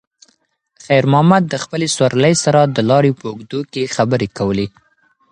خیر محمد د خپلې سوارلۍ سره د لارې په اوږدو کې خبرې کولې.